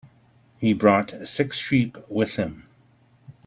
He brought six sheep with him.